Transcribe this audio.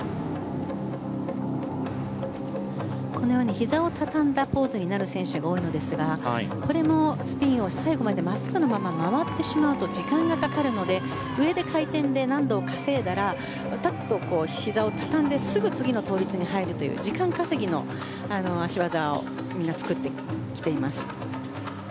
ひざを畳んだポーズになる選手が多いんですがこれもスピンを最後まで真っすぐなまま回ってしまうと時間がかかるので上で回転で、難度を稼いだらひざをたたんですぐ次の倒立に入る時間稼ぎの脚技をみんな作ってきています。